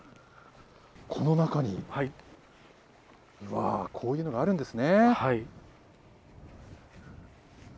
この中に、うわー、こういうのがあるんですね。